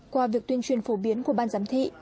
qua việc tuyên truyền phổ biến của ban giám thị